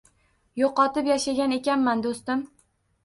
Yo’qotib yashagan ekanman, do’stim.